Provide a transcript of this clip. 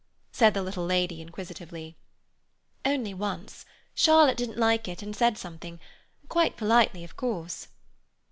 said the little lady inquisitively. "Only once. Charlotte didn't like it, and said something—quite politely, of course."